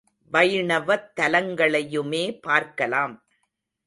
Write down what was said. வைணவத் தலங்களையுமே பார்க்கலாம்.